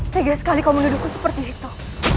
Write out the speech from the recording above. tiga sekali kau mengeduhku seperti itu